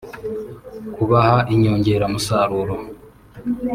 kubaha inyongeramusaruro